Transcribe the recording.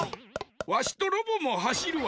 わしとロボもはしるわ。